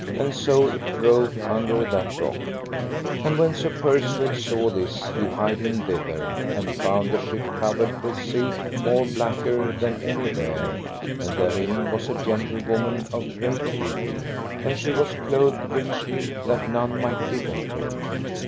And so it drove under that rock. And when Sir Percivale saw this he hied him thither, and found the ship covered with silk more blacker than any bear, and therein was a gentlewoman of great beauty, and she was clothed richly that none might be better.